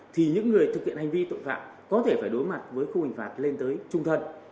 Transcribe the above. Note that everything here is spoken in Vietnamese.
thì những người thực hiện hành vi tội phạm có thể phải đối mặt với khung hình phạt lên tới trung thân